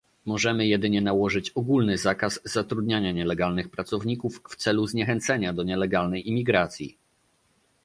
Możemy jedynie nałożyć ogólny zakaz zatrudniania nielegalnych pracowników w celu zniechęcenia do nielegalnej imigracji